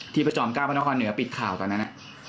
ที่ประจอมก้าวพนครเหนือปิดข่าวตอนนั้น